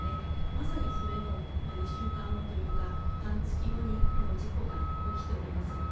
まさにそれの２週間後というか、半月後にこの事故が起きております。